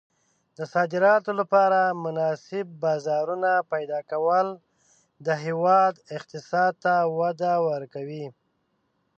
د صادراتو لپاره مناسب بازارونه پیدا کول د هېواد اقتصاد ته وده ورکوي.